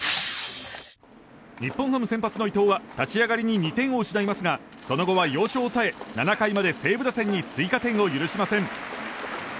日本ハム先発の伊藤は立ち上がりに２点を失いますがその後は要所を抑え７回まで西武打線に追加点を許しません。